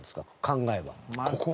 考えは。